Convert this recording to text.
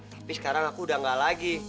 tapi sekarang aku udah gak lagi